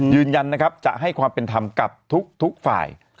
ยืนยันนะครับจะให้ความเป็นธรรมกับทุกฝ่าย